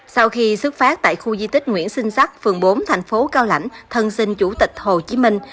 sau khi xuất phát tại khu di tích nguyễn sinh sắc phường bốn thành phố cao lãnh thân sinh chủ tịch hồ chí minh